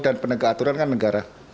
dan penegak aturan kan negara